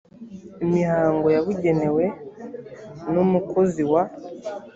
imihango yabugenewe n umukozi wa